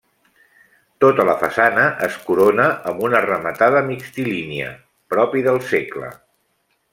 Tota la façana es corona amb una rematada mixtilínia, propi del segle.